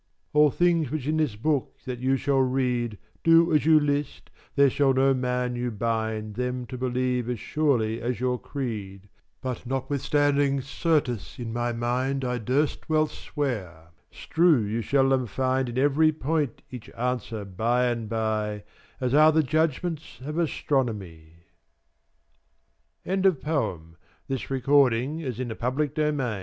All things which in this book that you shall read, Do as you list, there shall no man you bind Them to believe as surely as your creed, But notwithstanding certes7 in my mind I durst8 well swear, 's true you shall them find In every point each answer by and by As are the judgments of astronomy. [AJ Notes: 1. eke, also. 2.